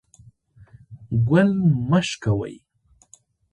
ګل مه شکولوئ